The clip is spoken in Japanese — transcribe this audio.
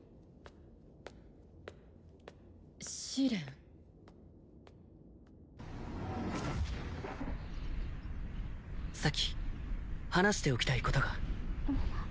試練咲話しておきたいことがうん？